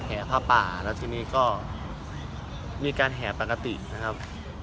ผ้าป่าแล้วทีนี้ก็มีการแห่ปกตินะครับ